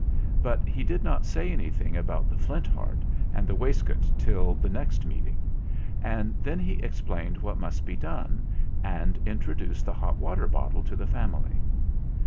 But he did not say anything about the Flint Heart and the waistcoat till the next Meeting; and then he explained what must be done, and in troduced the hot water bottle to the family.